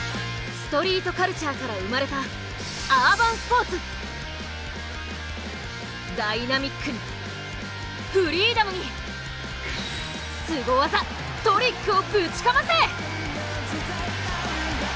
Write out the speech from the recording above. ストリートカルチャーから生まれたダイナミックにフリーダムにすご技「トリック」をぶちかませ！